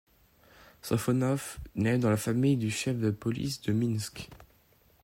Sofonov nait dans la famille du chef de police de Minsk.